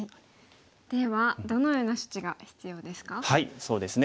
ではどのような処置が必要ですか？